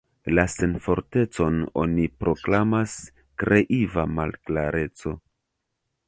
La senfortecon oni proklamas kreiva malklareco.